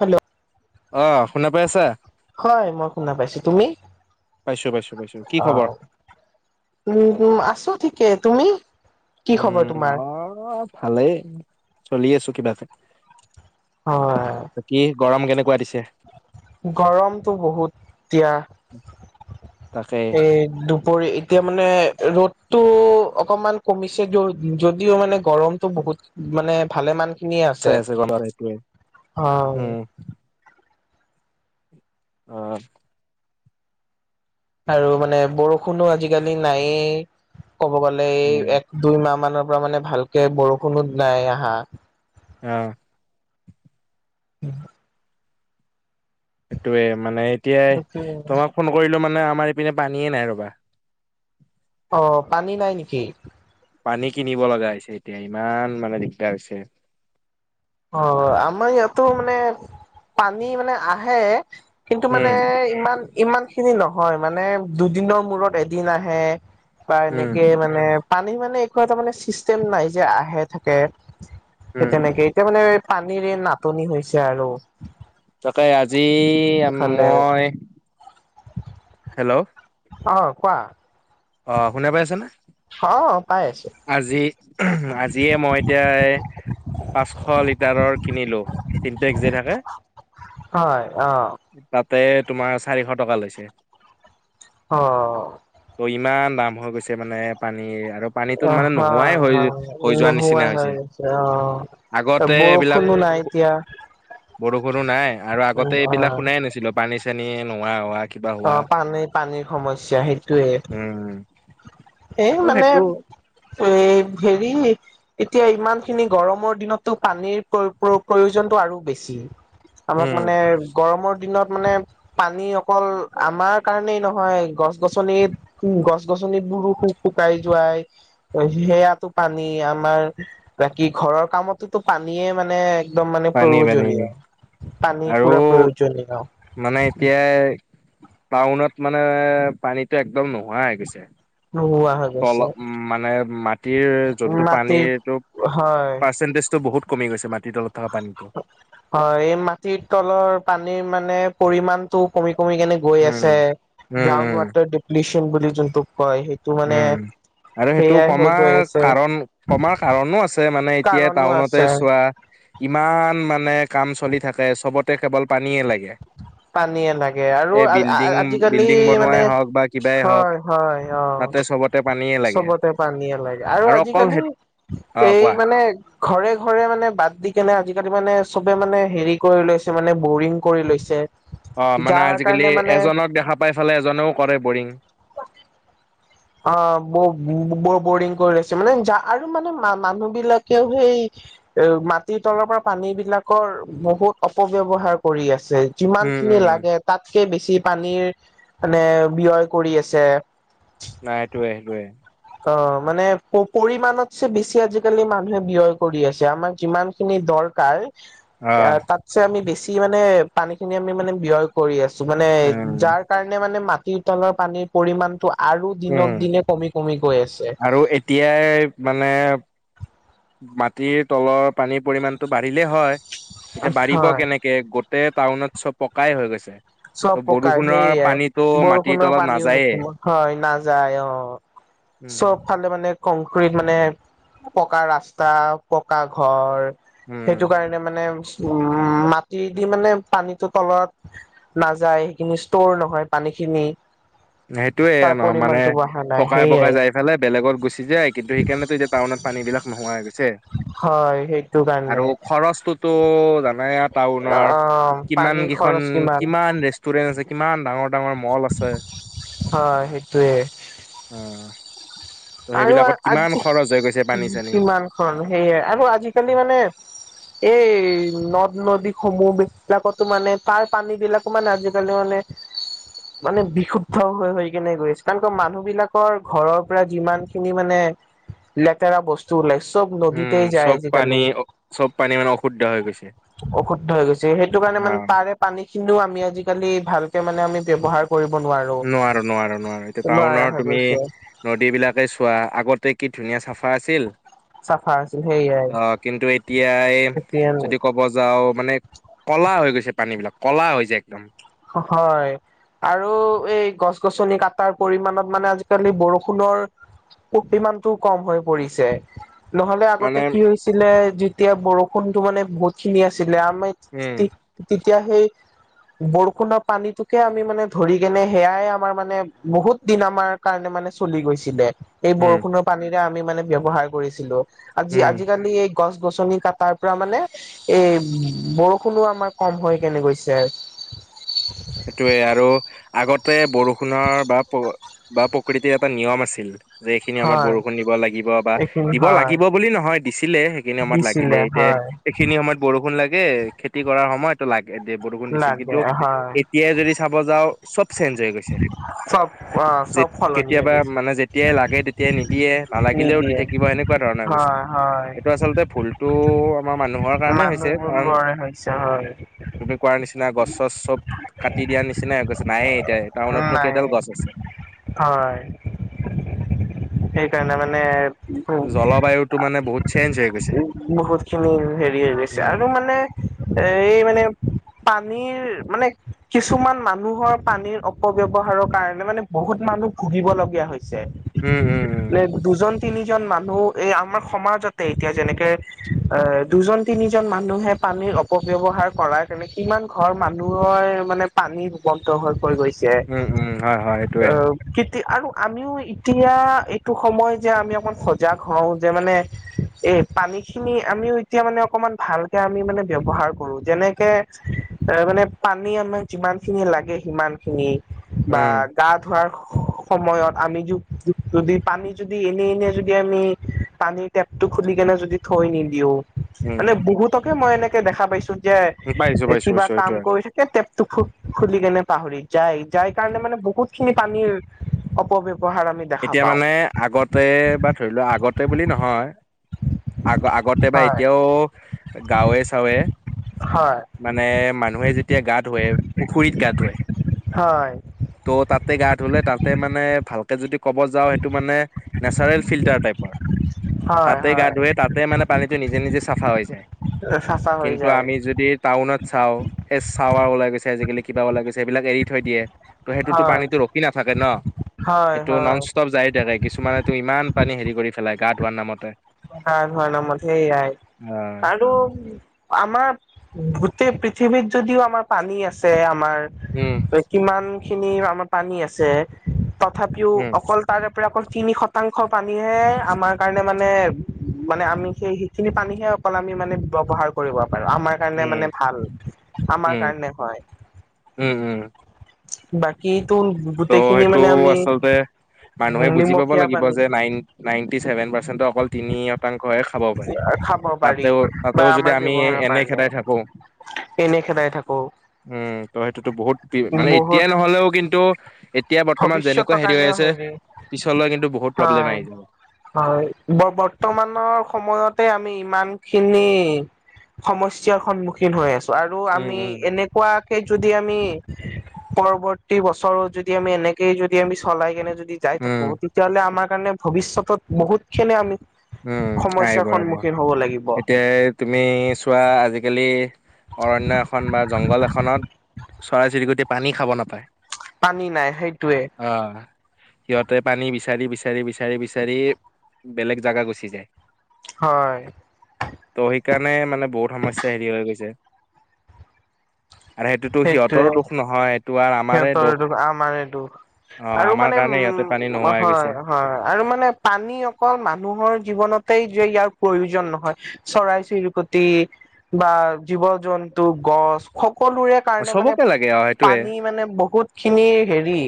Hello! অ', শুনা পাই আছা? হয়, মই শুনা পাইছোঁ তুমি? পাইছোঁ, পাইছোঁ। অ', উম, আছোঁ ঠিকে, তুমি? কি উম, খবৰ তোমাৰ? অ', ভালেই, চলি আছোঁ কিবাকে। হয়। বাকী গৰম কেনেকুৱা দিছে? গৰমটো বহুত দিয়া। তাকে এই দুপৰী-এতিয়া মানে ৰ'দটো অকমান কমিছে য-যদিও মানে গৰমটো বহুত মানে ভালেমান খিনিয় আছে চাই গম সেইটোৱে অ' উম, আহ আৰু মানে বৰষুণো আজিকালি নাইেই ক'ব গ'লে এই উম, এক দুই মাহ মানৰ পৰা মানে ভালকে বৰষুণো নাই আহা। অ' উম। সেইটয়ে মানে এতিয়া তোমাক ফোন কৰিলো মানে আমাৰ ইপিনে পানীয়ে নাই ৰবা, অ' পানী নাই নেকি? পানী কিনিব লগা হৈছে এতিয়া ইমান মানে দিগদাৰ হৈছে। তটো মানে পানী মানে আহে। কিন্তু মানে উম, ইমান ইমান খিনি নহয় মানে দুদিনৰ মূৰত এদিন আহে। বা উম, এনেকে মানে পানী মানে একো এটা মানে চিষ্টেম নাই যে আহে থাকে সেই উম, তেনেকে এতিয়া মানে পানীৰে নাটনি হৈছে আৰু তাকে আজি এইফালে মই হেল্ল' আহ কোৱা অ' শুনে পাই আছেনে? অ' পাই আছো। আজিয়ে মই এতিয়া পাঁচশ লিটাৰৰ কিনিলো। চিম্পে্ যে থাকে, হয় অ'। তাতে তোমাৰ চাৰিশ টকা লৈছে। অ' ত' ইমান দাম হৈ গৈছে মানে পানীৰ আৰু পানীটোত মানে নোহোৱাই হয় হৈ হয় হৈ যোৱাৰ নোহোৱা নিচিনা হৈ হৈছে। গৈছে অ আগতে এইবিলাক বৰষুণো নাই এতিয়া বৰষুণো নাই আৰু আগতে উম অ এইবিলাক শুনাই নাছিলোঁ, পানী, চানী নোহোৱা হোৱা কিবা অ', হোৱা পানেই-পানীৰ সমস্যা সেইটোৱে। উম সেই আৰু মানে সেইটো এই হেৰি এতিয়া ইমানখিনি গৰমৰ দিনতো পানীৰ প্ৰ-প্ৰ-প্ৰয়োজনটো আৰু বেছ চি, আমাক উম মানে গৰমৰ দিনত মানে পানী অকল আমাৰ কাৰণেই নহয়, গছ গছনিত-গছ গছ গছনিত বোৰো শু-শুকাই যোৱাই, সেয়াটো পানী আমাৰ বাকী [unintelligible] ঘৰৰ কামতোতো পানীয়ে মানে একদম মানে পানী পানী প্ৰয়োজনীয়। পানী আৰু পুৰা প্ৰয়োজনীয়। মানে এতিয়া টাউনত মানে পানীতো একদম নোহোৱা হৈ গৈছে। নোহোৱা হৈ তল গৈছে উম মানে মাটিৰ যোনটো মাটিৰ পানীৰটো। হয় পাৰ্চেন্টেজটো বহুত কমি গৈছে মানে। হয় এই মাটিৰ তলৰ পানীৰ মানে পৰিমাণতটো কমি। কমি কেনে গৈ আছে উম, উম, গ্ৰাউণ্ড উম, ৱাটাৰ দিপ্লিছিয়ান বুলি যোনটো। উম আৰু সেইটো হৈ কমাৰ গৈ আছে। কাৰণ কমাৰ কাৰণো আছে। মানে এতিয়া কাৰণো টাউনতে আছে চোৱা ইমান মান। মানে কাম চলি থাকে চবতে কেৱল পানীয়ে লাগে। পানীয়ে লাগে আৰু এই বিল্ডিং আজিকালি বিল্ডিং মানে বনোৱাই হওঁক বা কিবাই হওঁক। হয় হয় অ তাতে চবতে পানী। চবতে পানী লাগে আৰু আজিকালি সেই অ' এই কোৱা। মানে। ঘৰে ঘৰে মানে বাদ দি কেনে আজিকালি মানে চবে মানে হেৰি কৰি লৈছে মানে বৰিং কৰি লৈছে। অ মানে যাৰ আজিকালি কাৰণে মানে এজনক দেখা পাই ফালে এজনেও কৰে বৰিং। অ ব ব বৰিং কৰি লৈছে মানে আৰু মানে মানুহ বিলাকেও সেই। এ মাটিৰ তলৰ পৰা পানী বিলাকৰ বহুত অপব্যৱহাৰ কৰি আছে। যিমান উম, খিনি উম, লাগে তাত। বেছি পানীৰ মানে ব্যয় কৰি আছে। নাই সেইটোয়ে সেইটোয়ে। অ মানে পৰিমাণত চে বেছি আজিকালি মানুহে ব্যয় কৰি আছে আমাৰ যিমান খিনি দ। অ' [unintelligible] তাত যে আমি বেছি মানে পানী খিনি আমি মানে ব্যয় কৰি আছো। মানে উম, যাৰ কাৰণে মানে মাটিৰ তলৰ পানীৰ পৰিমানটো আৰু উম। দিনক দিনে কমি। কমি গৈ আছে আৰু এতিয়াই মানে। মাটিৰ তলৰ পানীৰ পৰিমানতটো বাঢ়িলেই হয় এতিয়া বাঢ়িব হয় কেনেকে। গোটে টাউনত চব পকাই হৈ গৈছে। চব ত' পকাৰ বৰষুণৰ সেইয়াই পানীতো মাটিৰ বৰষুণৰ তলত পানীও নাযায়ে [unintelligible] হয় নাযায় অ। উম চবফালে মানে কংক্ৰিট মানে পকা ৰাস্তা পকা ঘৰ। সেইটো কাৰণে মানে উম মাটি দি মানে পানীটো তলত। নাযায় সেইখিনি ষ্টৰ নহয় পানীখিনি। সেইটোয়ে তাৰ নহ মানে পৰিমাণটো বঢ়া নাই পকাই পকাই সেইয়াই যাই ফেলে বেলেগত গুচি যায় কিন্তু সেইকাৰণেতো এতিয়া টাউনত। পানী বিলাক নোহোৱা গৈছে হয় সেইটো আৰু কাৰণে খৰচটো। টো জানাই টাউনৰ অ', কিমান পানী কেইখন খৰচ কিমান ৰেষ্টুৰেন্ট আছে। কিমান ডাঙৰ ডাঙৰ মল আছে। হয় সেইটোৱে। [inaudible] আৰু সেইবিলাকত আ কিমান খৰচ হৈ গৈছে পানী [unintelligible] চানী কিমান খন সেয়ে আৰু আজিকালি মানে। এই ন। নদীসমূহ এইবিলাকতো মানে তাৰ পানী বিলাকো মানে আজিকালি মানে। মানে বিশুদ্ধ হৈ হৈ কেনে গৈ আছে কাৰণ কিয় মানুহ বিলাকৰ ঘৰৰ পৰা। যিমান খিনি মানে লেতেৰা বস্তু ওলাইছে। উম চব পানী চব পানী মানে অশুদ্ধ হৈ গৈছে। অশুদ্ধ হৈ গৈছে সেইটো কাৰণে মানে অ' তাৰে পানী খিনিও আমি আজিকালি ভালকে মানে আমি ব্যৱহাৰ। নোৱাৰো নোৱাৰো নোৱাৰো এতিয়া নোৱাৰা টাউনৰ হৈ তুমি গৈছে নদী বিলাক। চোৱা আগতে কি ধুনীয়া চাফা আছিল। চাফা আছিল। সেইয়াই অ কিন্তু এতিয়াই এতিয়া যদি ক'ব যাওঁ মানে কলা হৈ গৈছে। পানী বিলাক ক'লা হৈ যায় একদম। হয় আৰু এই গছ-গছনি কটাৰ পৰিমানত মানে আজিকালি বৰষুণৰ। [unintelligible] পৰিমানটো কম হৈ পৰিছে। নহলে আগতে মানে কি হৈছিলে যেতিয়া বৰষুণতো মানে বহুত খিনি আছিল। [unintelligible] উম, তে-তেতিয়া সেই বৰ বৰষুণৰ পানীটোকে আমি মানে ধৰি কেনে, সেয়াই আমাৰ মানে, বহুত দিন আমাৰ কাৰণে মানে, চলি গৈছিলে। এই উম, বৰষুণৰ পানীৰে আমি মানে ব্যৱহাৰ কৰিছিলো আজি উম। আজিকালি এই গছ-গছনি কাটাৰ পৰা মানে, এই, বৰষুণো আমাৰ কম হয় কেনে গৈছে। সেইটোৱেই আৰু আগতে বৰষুণৰ, বা প বা প্ৰকৃতিৰ এটা নিয়ম আছিল যে এইখিনি সময়ত হয় বৰষুণ দিব লাগিব বা এইখিনি দিব হয় লাগিব বুলি নহয় দিছিলে, সেইখিনি সময়ত লাগিলে, দিছিলে এতিয়া হয় সেইখিনি সময়ত বৰষুণ লাগ গে, খেতি কৰাৰ সময়ত লাগে, দে, বৰষুণ দিছিল। কিন্তু, লাগে হয় এতিয়াই যদি চাব যাওঁ, চব চেঞ্জ হৈ গৈছে। চব অ চব সলনি হৈ কেতিয়াবা গৈছে। মানে যেতিয়াই লাগে তেতিয়াই নিদিয়ে নালাগিলেও দি নিদিয়ে থাকিব সেনেকুৱা ধৰণৰ হৈ গৈছে। হয় হয় সেইটো আচলতে ভুলটো আমাৰ মানুহৰ কাৰণে হৈছে, মানুহবোৰ কাৰণ লৰে হৈছে হয়। তুমি কোৱাৰ নিচিনা, গছ-চছ চব কাটি দিয়াৰ নিচিনাই হৈ গৈছে, নায়েই এতিয়া টাউনতনো নাই কেইডাল গছ আছে? হয় সেইকাৰণে, মানে জলবায়ুটো মানে বহুত চেঞ্জ হৈ গৈছে। বহুতখিনি, হেৰি হৈ গৈছে উম আৰু মানে, এই মানে পানীৰ, মানে কিছুমান মানুহৰ পানীৰ অপব্যৱহাৰৰ কাৰণে, মানে বহুত মানুহ খুব ভুগিব লগীয়া হৈছে। ছে, উম উম এই দুজন-তিনিজন মানুহ, এই আমাৰ সমাজতে এতিয়া যেনেকে অ' দুজন তিনিজন মানুহে পানীৰ অপব্যৱহাৰ কৰাৰ কাৰনে কিমান ঘৰ মানুহৰ মানে পানী বন্ধ হৈ পৰি গৈছে। উম উম উম, হয় হয় সেইটোয়ে অ' আৰু আমিও এতিয়া এইটো সময় যে আমি অকমান সজাগ হওঁ যে মানে। এই পানী খিনি আমিও এতিয়া মানে অকমান ভালকে আমি মানে ব্যৱহাৰ কৰো। যেনেকে, তাৰ মানে পানী আমাক যিমান খিনি লাগে, সিমান খিনি বা উম গা ধোৱাৰ সময়ত আমি য যদি পানী যদি এনে এনে যদি আমি পানীৰ টেপ টো খুলি কেনে যদি থৈ নিদিও, উম মানে বহুতকে মই এনেকে দেখা পাইছো। যে পাইছো পাইছো কিবা পাইছো কাম সেইটোয়ে কৰি থাকে টেপ টো খুলি কেনে পাহৰি যায়, যাই কাৰণে মানে বহুত খিনি পানীৰ অপব্যৱ এতিয়া মানে আগতে বা ধৰি লোৱা আগতে বুলি নহয়। আগ আগতে বা হয়, এতিয়াও গাওৱে চাওঁৱে হয়। মানে মানুহে যেতিয়া গা-ধুৱে পুখুৰীত গা-ধুৱে। হয়। ত' তাতে গা-ধুলে তাতে মানে ভাল। ক'ব যাওঁ, সেইটো মানে নেচাৰেল ফিল্টাৰ টাইপৰ। হয়, তাতে হয়। গা-ধুৱে তাতে মানে পানীটো নিজে নিজে চাফা হৈ যায়। চাফা হৈ কিন্তু, যায়। আমি যদি টাউনত চাও এ চাৱাৰ ওলাই গৈছে আজিকালি। কিবা ওলাই গৈছে, সেইবিলাক এৰি থৈ দিয়ে আৰু সেইটোতো হয়, পানীতো ৰখি নাথাকে ন। হয়, টো নন হয়। ষ্টপ যায় থাকে, কিছুমানে তু ইমান পানী হেৰি কৰি পেলাই গা-ধুৱাৰ নামতে। গা-ধুৱাৰ নামত সেইয়াই, আৰু আমাৰ গোটেই পৃথিৱীত যদিও আমাৰ পানী আছে, আমাৰ উম কিমান খিনি আমাৰ পানী আছে, তথাপিও উম অকল তাৰে পৰা অকল তিনি শতাংশ পানীহে আমাৰ কাৰণে মানে। মানে আমি সেই সেইখিনি পানীহে অকল আমি মানে ব্যৱহাৰ কৰিব। পাৰোঁ, আমাৰ কাৰণে উম মানে ভাল আমাৰ উম কাৰণে হয়। উম উম বাকীতো ত' গোটেইখিনি সেইটো মানে আমি আচলতে মানুহে উম, বুজি পাব নিমখীয়া লাগিব পানী যে নাইন নাইনটি চছেভেন পাৰ্চেনতৰ অকল তিনি শতাংশহে খাব পাৰি। খাব পাৰি তাতও, বা তাতও যদি আমাৰ আমি ব্যৱহাৰৰ এনে কাৰণে খেদাই থাকো এনে খেদাই থাকো উম ত' সেইটোতো বহুত [unintelligible] মানে বহুত এতিয়াই নহলেও কিন্তু এতিয়া বৰ্তমান ভৱিষ্যতৰ যেনেকুৱা হেৰি হৈ কাৰণেও আছে পিছলৈ কিন্তু বহুত প্ৰব্লেম হয় আহি যাব। হয় ব বৰ্তমানৰ সময়তে আমি। ইমান খিনি সমস্যাৰ সন্মুখীন হৈ আছ আৰু উম, আমি উম, এনেকুৱাকে যদি আমি পৰৱৰ্তী বছৰত যদ যদি আমি এনেকেই যদি আমি চলাই কেনে যদি যাই উম, থাকো তেতিয়াহ'লে আমাক কাৰণে ভৱিষ্যতত বহুত খেনে আমি উম আহিব সমস্যাৰ আহিব সন্মুখীন হ'ব লাগিব এতিয়া তুমি চোৱা আজিকালি অৰণ্য এখন বা জংঘল এখনত চৰাই চিৰিকটি পানী খাব নাপায়' পানী নাই সেইটোৱে। অ', সিহঁতে পানী বিচাৰি, বিচাৰি, বিচাৰি, বিচাৰি বেলেগ জাগা গুচি যায়। হয় [inaudible] সেই কাৰণে মানে বহুত সমস্যা হেৰি হৈ গৈছে। [inaudible] আৰু সেইটোতো সিহঁতৰো সেইটোৱে দুখ নহয় আৰু আমাৰে সিহঁতৰ দোষ এইটো, আমাৰ এইটো অ', আৰু আমাৰ মানে কাৰণে সিহঁতে পানী উ নোহোৱা হৈ গৈছে। হয় হয় আৰু মানে পানী অকল মানুহৰ জীৱনতেই যে ইয়াৰ প্ৰয়োজন নহয় চৰাই চিৰিকটি বা জীৱ-জন্তু, গছ সকলোৰে কাৰণে মানে চবকে লাগে অ', পা সেইটোয়ে। নী মানে বহুত খিনি হেৰি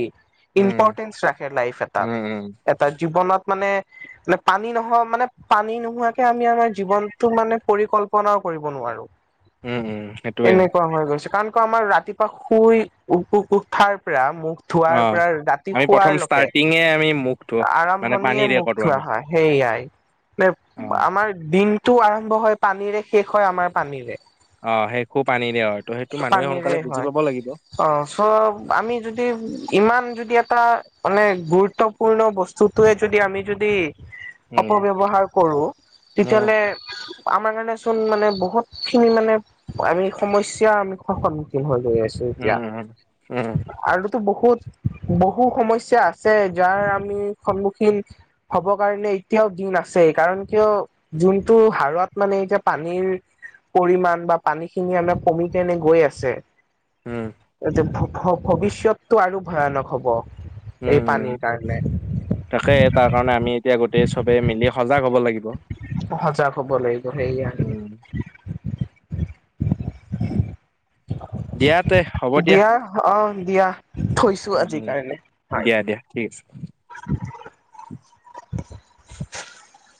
উম, ইম্পৰটেঞ্চ ৰাখে লাইফ উম, এটাত উম, এটা জীৱনত মানে পানী নহও মানে পানী নোহোৱাকেও আমি আমাৰ জীৱনতটো মানে পৰিকল্পনা কৰিব নোৱাৰো উম, উম, সেইটোৱে এনেকুৱা হৈ গৈছে কাৰণ পুৱা আমাৰ ৰাতিপুৱা শুই উ উ উঠাৰ প্ৰৰা মুখ ধোৱাৰ অ', পৰা ৰাতি আমি প্ৰথম শুৱাৰ লকে ষ্টাৰ্টিঙে আমি মুখটো মানে আৰম্ভণিয়ে পানীৰে মুখ কৰো ধোৱা আমি হয় সেই য়াই, নে অ', আমাৰ দিনটো আৰম্ভ হয় পানীৰে, শেষ হয় আমাৰ পানীৰে। অ শেষো পানীৰে হয়। ত' সেইটো মানুহে পানীৰে সোনকালে বুজি হয় পাব লাগিব। অ চব আমি যদি ইমান যদি এটা মানে গুৰুত্বপূৰ্ণ বস্তুটোয়ে যদি আমি যদি উম, অপব্যৱহাৰ কৰো, উম, তেতিয়াহলে আমাৰ কাৰণে চোন মানে বহুত খিনি মানে আমি সমস্যা আমি সন্মুখীন হৈ গৈ আছো উম উম উম। তো বহুত বহু সমস্যা আছে যাৰ আমি সন্মুখীন হব কাৰণে এতিয়াও দিন আছে কাৰণ কিয় যোনটো হাৰুৱাত মানে এতিয়া পানীৰ পৰিমাণ বা পানী খিনি আমাক কমি কেনে গৈ আছে উম, এই যে ভ- ভ-ভৱিষ্যতটো আৰু ভয়ানক হব। উম এই উম, পানীৰ কাৰণে তাকে তাৰ কাৰণে আমি এতিয়া গোটেই চবে মিলি সজাগ হব লাগ সজাগ হ'ব লাগিব সেইয়া উম, দিয়া তে হ'ব [unintelligible] দিয়া অ দিয়া, থৈছো উম, আজিৰ উম, কাৰনে, হয়। দিয়া দিয়া ঠিক আছে। [inaudible] [inaudible]